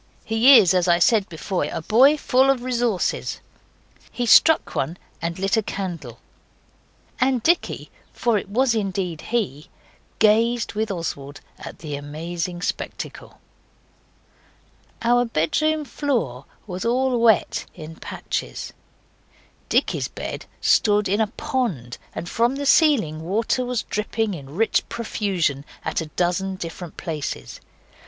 He is, as I said before, a boy full of resources. He struck one and lit a candle, and Dicky, for it was indeed he, gazed with Oswald at the amazing spectacle. Our bedroom floor was all wet in patches. Dicky's bed stood in a pond, and from the ceiling water was dripping in rich profusion at a dozen different places.